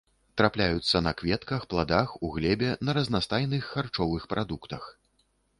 Трапляюцца на кветках, пладах, у глебе, на разнастайных харчовых прадуктах.